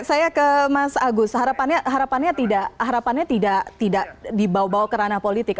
saya ke mas agus harapannya tidak harapannya tidak dibawa bawa ke ranah politik